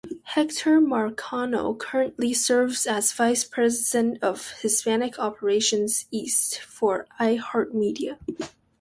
Hector Marcano currently serves as Vice President of Hispanic Operations East, for iHeartMedia.